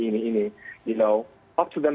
bicara dengan mereka dengan cara tenang